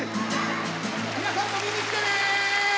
皆さんも見に来てね！